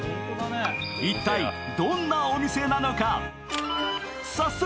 一体、どんなお店なのか。